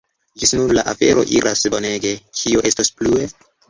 Ĝis nun la afero iras bonege, kio estos plue?